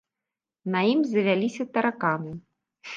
На ім завяліся тараканы.